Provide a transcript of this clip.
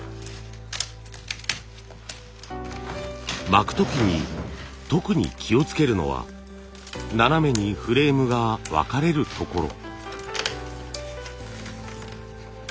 巻く時に特に気をつけるのは斜めにフレームが分かれるところ。